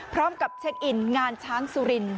พร้อมกับเช็คอินงานช้างสุริน